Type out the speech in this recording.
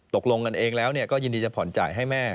ตกลงกันเองแล้วก็ยินดีจะผ่อนจ่ายให้แม่